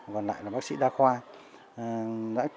còn lại là bác sĩ đa khoa